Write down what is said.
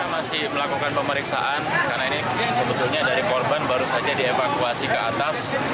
masih melakukan pemeriksaan karena ini sebetulnya dari korban baru saja dievakuasi ke atas